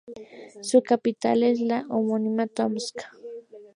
Su capital es la homónima Tomsk.